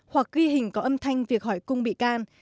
hoặc ghi hình có âm thanh việc hỏi cung bị can